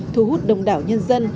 thu hút đồng đảo nhân dân